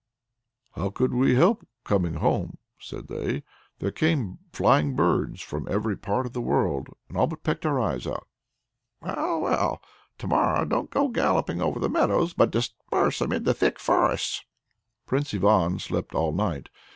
"How could we help coming home?" said they. "There came flying birds from every part of the world, and all but pecked our eyes out." "Well, well! to morrow don't go galloping over the meadows, but disperse amid the thick forests." Prince Ivan slept all night.